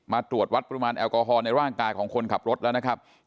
ตรวจวัดปริมาณแอลกอฮอลในร่างกายของคนขับรถแล้วนะครับ